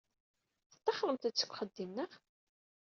Tettaxremt-d seg uxeddim, naɣ?